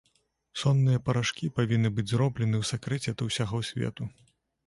Сонныя парашкі павінны быць зроблены ў сакрэце ад усяго свету.